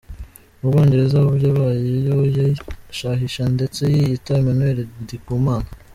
Mu Bwongereza yabayeyo yihishahisha ndetse yiyita Emmanuel Ndikumana.